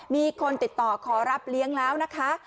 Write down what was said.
มีคนติดต่อขอรับเลี้ยงแล้วนะคะ